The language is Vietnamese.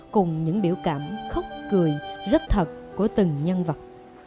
cùng những biểu cảm khóc cười rất thật của từng nhân vật